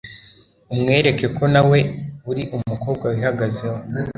umwereke ko nawe uri umukobwa wihagazeho